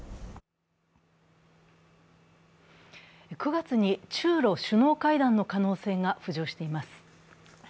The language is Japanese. ９月に中ロ首脳会談の可能性が浮上しています。